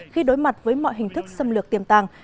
khi đối mặt với mọi hình thức xâm lược tiềm tàng